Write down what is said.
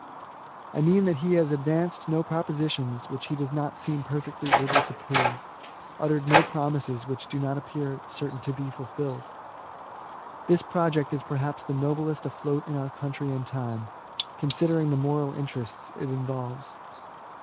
I mean that he has advanced no propositions which he does not seem perfectly able to prove, uttered no promises which do not appear certain to be fulfilled. This project is perhaps the noblest afloat in our country and time, considering the moral interests it involves.